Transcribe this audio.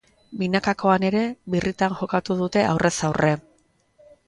Binakakoan ere birritan jokatu dute aurrez aurre.